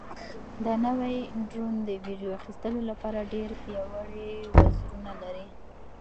دا نوی ډرون د ویډیو اخیستلو لپاره ډېر پیاوړي وزرونه لري.